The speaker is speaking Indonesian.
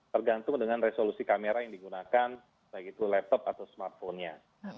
tergantung dengan resolusi kamera yang digunakan baik itu laptop atau smartphone nya